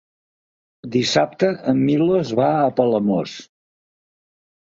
Dissabte en Milos va a Palamós.